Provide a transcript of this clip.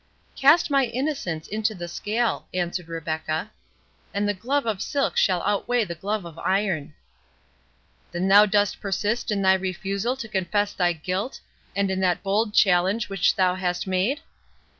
"Cast my innocence into the scale," answered Rebecca, "and the glove of silk shall outweigh the glove of iron." "Then thou dost persist in thy refusal to confess thy guilt, and in that bold challenge which thou hast made?"